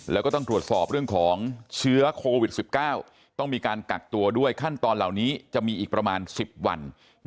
แล้วก็ต้องตรวจสอบเรื่องของเชื้อโควิด๑๙ต้องมีการกักตัวด้วยขั้นตอนเหล่านี้จะมีอีกประมาณ๑๐วัน